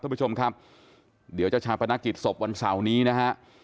ท่านผู้ชมครับเดี๋ยวเจ้าชาวพนักกิจศพวันเสาร์นี้นะฮะ